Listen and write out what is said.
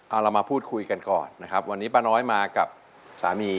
เอาเรามาพูดคุยกันก่อนนะครับวันนี้ป้าน้อยมากับสามี